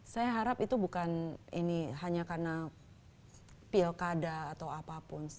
saya harap itu bukan ini hanya karena pilkada atau apapun